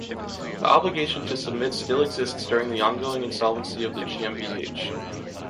The obligation to submit still exists during the ongoing insolvency of the GmbH.